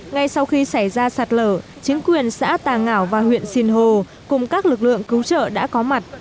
ngay sau khi xảy ra sạt lở chính quyền xã tà ngạo và huyện sinh hồ cùng các lực lượng cứu trợ đã có mặt